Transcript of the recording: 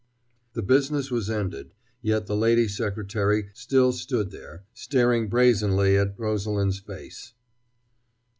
The business was ended, yet the lady secretary still stood there, staring brazenly at Rosalind's face.